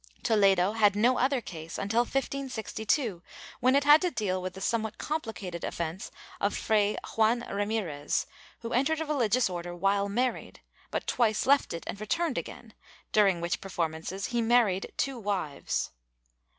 Toledo had no other case until 1562, when it had to deal with the somewhat complicated offence of Fray Juan Ramirez, who entered a religious order while married, but twice left it and returned again, during which performances he married two wives.